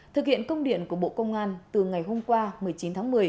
thực hiện công điện của bộ công an từ ngày hôm qua một mươi chín tháng một mươi